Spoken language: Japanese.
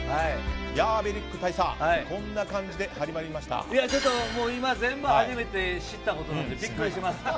ヤーベリック大佐、こんな感じで今、全部初めて知ったことなのでビックリしてます。